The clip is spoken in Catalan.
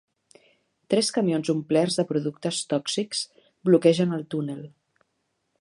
Tres camions omplerts de productes tòxics bloquegen el túnel.